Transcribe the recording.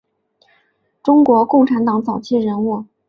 中国共产党早期人物。